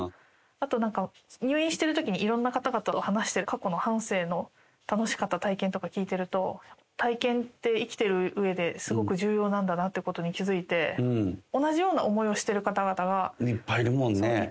あとなんか、入院してるときに、いろんな方々と話してる、過去の半生の楽しかった体験とか、聞いてると、体験って、生きてるうえですごく重要なんだなっていうことに気付いて、同じいっぱいいるもんね。